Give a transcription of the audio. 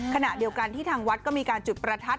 ขณะเดียวกันที่ทางวัดก็มีการจุดประทัด